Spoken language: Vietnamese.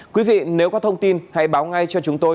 quý vị nếu có thông tin hãy báo ngay cho chúng tôi